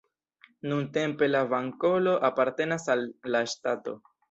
Nuntempe la banloko apartenas al la ŝtato.